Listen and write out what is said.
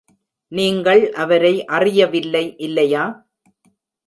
நீங்கள் அவரை அறியவில்லை, இல்லையா?